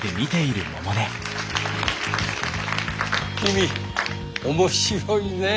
君面白いねえ。